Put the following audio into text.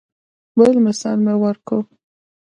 بل مثال مې ورکو.